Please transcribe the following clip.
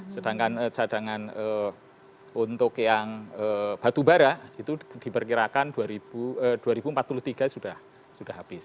sedangkan cadangan untuk yang batubara itu diperkirakan dua ribu empat puluh tiga sudah habis